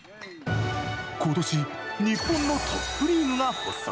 今年、日本のトップリーグが発足。